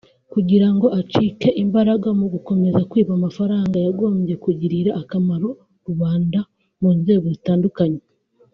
kugirango gacike imbaraga mu gukomeza kwiba amafranga yagombye kugirira akamaro rubanda mu nzego zitandukanye